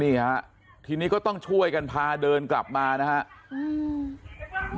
นี่ฮะทีนี้ก็ต้องช่วยกันพาเดินกลับมานะครับ